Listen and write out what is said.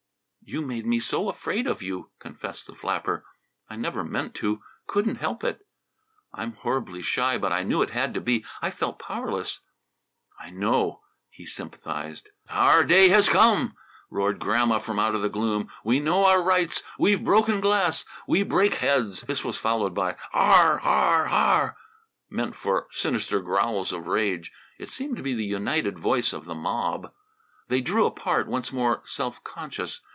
"You made me so afraid of you," confessed the flapper. "I never meant to, couldn't help it." "I'm horribly shy, but I knew it had to be. I felt powerless." "I know," he sympathized. "Our day has come!" roared Grandma from out of the gloom. "We know our rights! We've broken glass! We break heads!" This was followed by "Ar! Ar! Ar!" meant for sinister growls of rage. It seemed to be the united voice of the mob. They drew apart, once more self conscious.